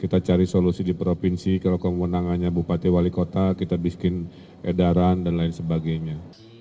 kita cari solusi di provinsi kalau kewenangannya bupati wali kota kita bikin edaran dan lain sebagainya